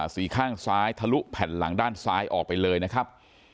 ข้างซ้ายทะลุแผ่นหลังด้านซ้ายออกไปเลยนะครับ